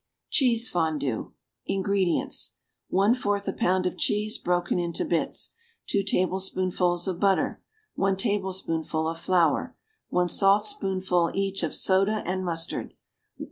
=Cheese Fondue.= INGREDIENTS. 1/4 a pound of cheese broken into bits. 2 tablespoonfuls of butter. 1 tablespoonful of flour. 1 saltspoonful, each, of soda and mustard.